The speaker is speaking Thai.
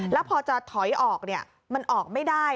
แล้วพอจะถอยออกมันออกไม่ได้